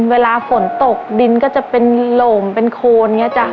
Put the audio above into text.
เวลาฝนตกดินก็จะเป็นโหล่มเป็นโคนอย่างนี้จ้ะ